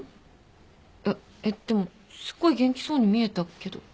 いやえっでもすっごい元気そうに見えたけど。